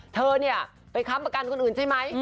เธอเนี่ยไปค้ำประกันคนอื่นใช่ไหม